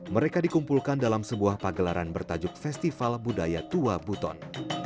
mereka dikumpulkan dalam sebuah pagelaran bertajuk festival budaya tua buton